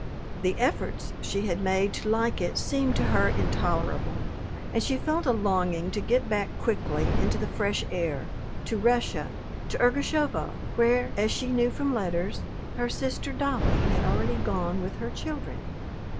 The efforts she had made to like it seemed to her intolerable, and she felt a longing to get back quickly into the fresh air, to Russia, to Ergushovo, where, as she knew from letters, her sister Dolly had already gone with her children.